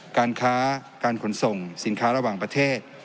การค้าการขนส่งสินค้าระหว่างประเทศ